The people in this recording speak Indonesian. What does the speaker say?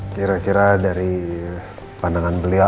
kira kira dari pandangan beliau